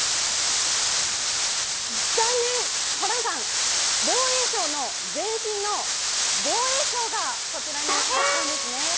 残念、ホランさん、防衛省の前身の防衛庁が、こちらにあったんですね。